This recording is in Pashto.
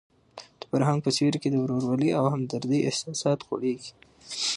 د فرهنګ په سیوري کې د ورورولۍ او همدردۍ احساسات غوړېږي.